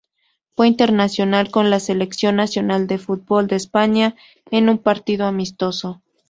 Fue internacional con la Selección nacional de fútbol de España en un partido amistoso.